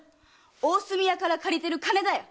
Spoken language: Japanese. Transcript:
大隅屋から借りてる金だよ！